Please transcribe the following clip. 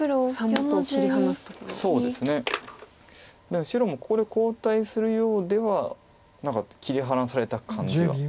でも白もここで後退するようでは何か切り離された感じがあります。